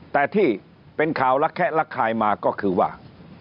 แต่ที่เป็นข่าวละแคะระคายมาก็คือว่า